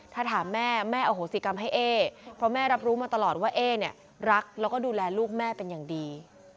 ถ้าถามแม่แม่อโหสิกรรมให้เอ๊เพราะแม่รับรู้มาตลอดว่าเอ๊เนี่ยรักแล้วก็ดูแลลูกแม่เป็นอย่างดี